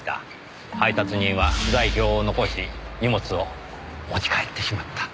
配達人は不在票を残し荷物を持ち帰ってしまった。